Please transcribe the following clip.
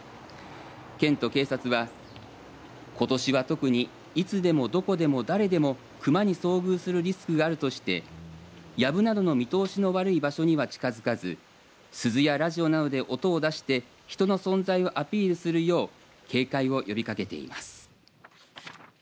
県と警察は、ことしは特にいつでも、どこでも、誰でも熊に遭遇するリスクがあるとしてやぶなどの見通しの悪い場所には近づかず鈴やラジオなどで音を出して人の存在をアピールするよう警戒を呼びかけています。